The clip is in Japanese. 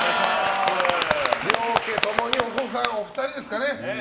両家ともにお子さん２人ですかね。